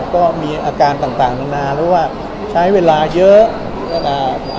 ก็มีอาการต่างนานาแล้วว่าใช้เวลาเยอะ